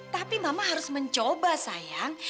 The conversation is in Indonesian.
tapi mama harus mencoba sayang